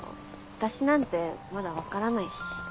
私なんてまだ分からないし。